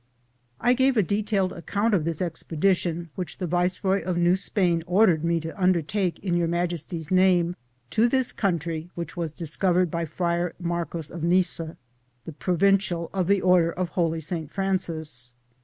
I gave a detailed account of this expedition, which the vice roy of New Spain ordered roe to undertake in Your Majesty's name to this country which was discovered by Friar Marcos of Nice, the provincial of the order of Holy Saint Francis.